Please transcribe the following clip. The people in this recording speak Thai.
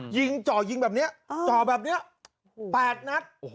จ่อยิงแบบนี้จ่อแบบนี้๘นัด